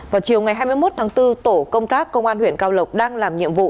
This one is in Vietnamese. vào chiều ngày hai mươi một tháng bốn tổ công tác công an huyện cao lộc đang làm nhiệm vụ